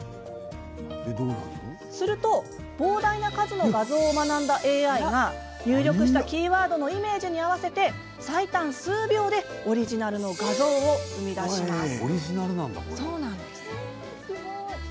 すると、膨大な数の画像を学んだＡＩが入力したキーワードのイメージに合わせて最短、数秒でオリジナルの画像を生み出します。